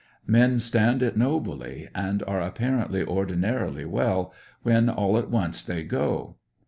Men stand it nobly and are apparently ordinarily well, when all at once they go.